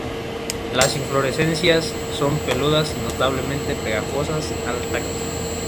Las inflorescencias son peludas y notablemente pegajosas al tacto.